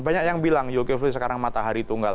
banyak yang bilang yul kivilasan sekarang matahari tunggal